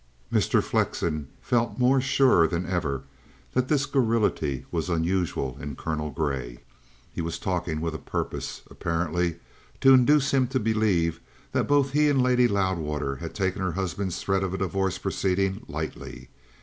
Mr. Flexen felt more sure than ever that this garrulity was unusual in Colonel Grey. He was talking with a purpose, apparently to induce him to believe that both he and Lady Loudwater had taken her husband's threat of divorce proceedings lightly.